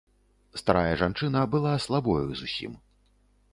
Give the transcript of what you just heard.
Старая жанчына была слабою зусім.